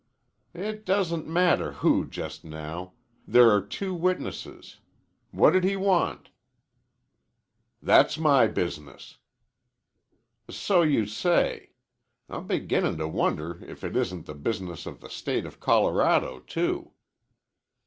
"It doesn't matter who just now. There are two witnesses. What did he want?" "That's my business." "So you say. I'm beginnin' to wonder if it isn't the business of the State of Colorado, too."